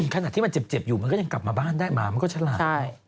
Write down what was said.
ขณะที่มันเจ็บอยู่มันก็ยังกลับมาบ้านได้หมามันก็ฉลาด